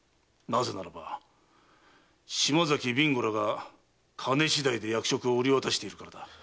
なぜならば島崎備後らが金次第で役職を売り渡しているからだ。